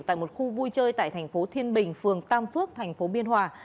tại một khu vui chơi tại tp thiên bình phường tam phước tp biên hòa